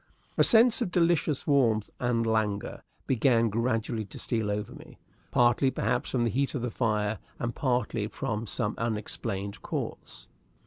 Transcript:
A sense of delicious warmth and languor began gradually to steal over me, partly, perhaps, from the heat of the fire, and partly from some unexplained cause.